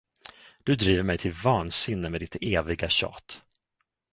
Du driver mig till vansinne med ditt eviga tjat.